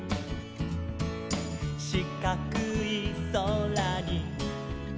「しかくいそらに」